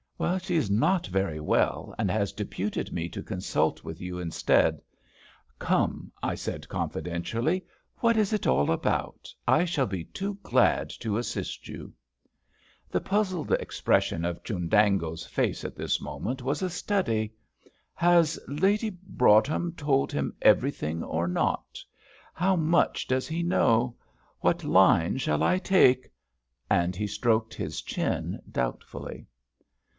"She is not very well, and has deputed me to consult with you instead. Come," I said, confidentially. "What is it all about? I shall be too glad to assist you." The puzzled expression of Chundango's face at this moment was a study: "Has Lady Broadhem told him everything or not? How much does he know? What line shall I take?" and he stroked his chin doubtfully.